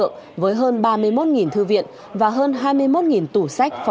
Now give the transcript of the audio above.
giờ là tầm tầm